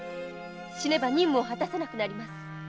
死ねば任務を果たせなくなります。